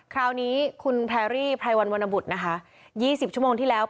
คราวนี้คุณแพรรี่พรายวรวรรณบุตรนะคะยี่สิบชั่วโมงที่แล้ว